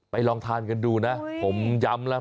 ลองทานกันดูนะผมย้ำแล้ว